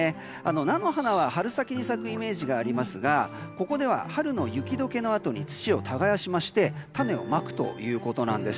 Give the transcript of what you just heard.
菜の花は春先に咲くイメージがありますがここでは、春の雪解けのあとに土を耕しまして種をまくということなんです。